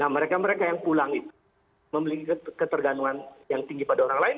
mereka mereka yang pulang itu memiliki ketergantungan yang tinggi pada orang lain